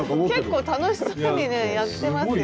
結構楽しそうにねやってますよ。